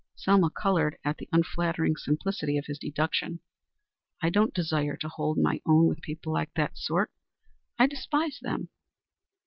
Selma colored at the unflattering simplicity of his deduction. "I don't desire to hold my own with people of that sort. I despise them."